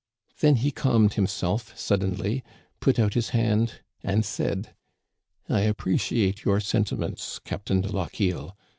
Then he calmed himself suddenly, put out his hand, and said :"* I appreciate your sentiments. Captain de Lochiel.